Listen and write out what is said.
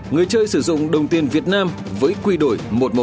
người chơi sử dụng đồng tiền việt nam với quy đổi một một